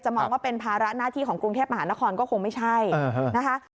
มองว่าเป็นภาระหน้าที่ของกรุงเทพมหานครก็คงไม่ใช่นะคะ